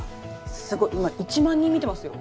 すごい今１万人見てますよ。